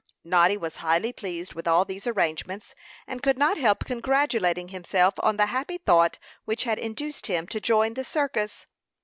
Noddy was highly pleased with all these arrangements, and could not help congratulating himself on the happy thought which had induced him to join the circus.